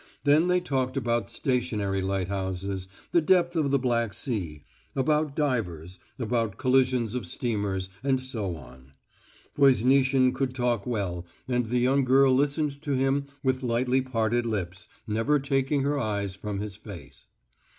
Then they talked about stationary lighthouses, the depth of the Black Sea, about divers, about collisions of steamers, and so on. Voznitsin could talk well, and the young girl listened to him with lightly parted lips, never taking her eyes from his face.